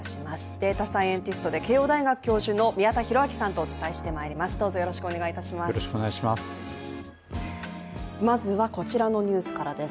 データサイエンティストで慶応大学教授の宮田裕章さんとお伝えしてまいります。